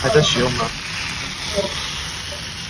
治大国如烹小鲜。